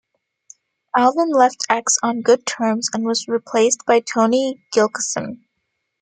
Alvin left X on good terms and was replaced by Tony Gilkyson.